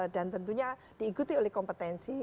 dan tentunya diikuti oleh kompetensi